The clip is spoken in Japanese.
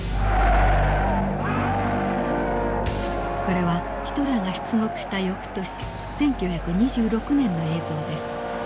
これはヒトラーが出獄した翌年１９２６年の映像です。